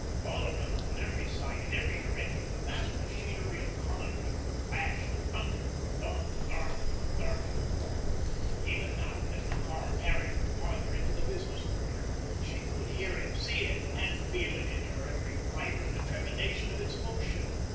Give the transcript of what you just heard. All around, on every side, in every direction the vast machinery of Commonwealth clashed and thundered from dawn to dark and from dark till dawn. Even now, as the car carried her farther into the business quarter, she could hear it, see it, and feel in her every fibre the trepidation of its motion.